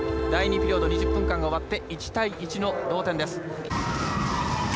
第２ピリオド２０分間が終わって１対１の同点です。